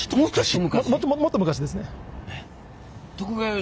もっと昔ですね。